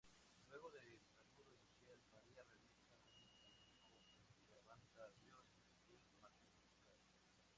Luego del saludo inicial, María realiza un cántico de alabanza a Dios, el Magnificat.